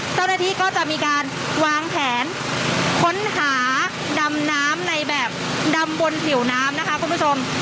เจ้าหน้าที่ก็จะมีการวางแผนค้นหาดำน้ำในแบบดำบนผิวน้ำนะคะคุณผู้ชม